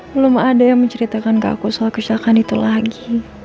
belum ada yang menceritakan ke aku soal kerusakan itu lagi